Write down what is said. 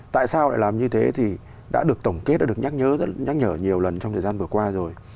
tại sao lại làm như thế thì đã được tổng kết đã được nhắc nhở nhiều lần trong thời gian vừa qua rồi